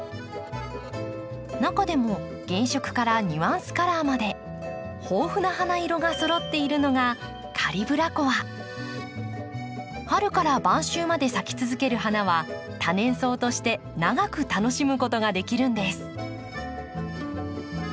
中でも原色からニュアンスカラーまで豊富な花色がそろっているのが春から晩秋まで咲き続ける花は多年草として長く楽しむことができるんです。